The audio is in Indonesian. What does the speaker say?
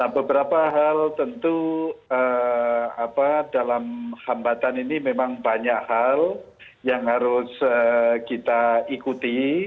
beberapa hal tentu dalam hambatan ini memang banyak hal yang harus kita ikuti